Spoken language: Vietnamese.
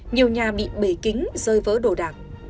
nhiều nhà bị bể kính rơi vỡ đổ đạc